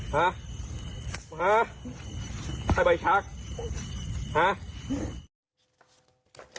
หาหาใครไปชักหา